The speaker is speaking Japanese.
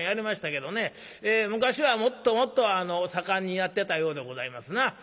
昔はもっともっと盛んにやってたようでございますな。